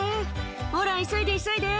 「ほら急いで急いで」